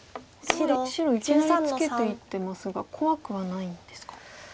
これは白いきなりツケていってますが怖くはないんですか。